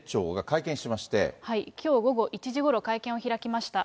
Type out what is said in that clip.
きょう午後１時ごろ、会見を開きました。